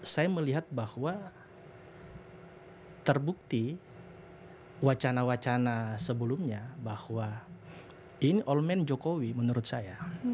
saya melihat bahwa terbukti wacana wacana sebelumnya bahwa ini allman jokowi menurut saya